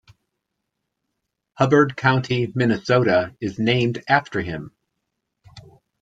Hubbard County, Minnesota is named after him.